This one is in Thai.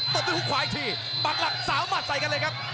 ตบด้วยฮุกขวาอีกทีปักหลักสาวหมัดใส่กันเลยครับ